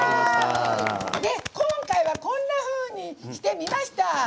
今回はこんなふうにしてみました。